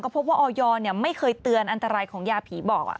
พบว่าออยไม่เคยเตือนอันตรายของยาผีบอก